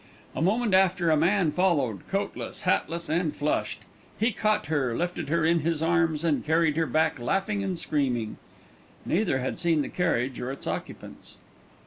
A moment after a man followed, coatless, hatless, and flushed. He caught her, lifted her in his arms and carried her back laughing and screaming. Neither had seen the carriage or its occupants.